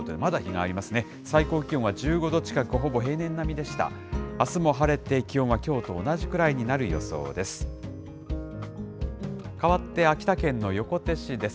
あすも晴れて、気温はきょうと同じくらいになる予想です。